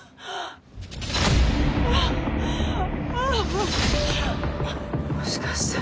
あああもしかして。